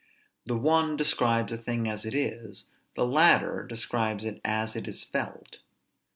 The one describes a thing as it is, the latter describes it as it is felt.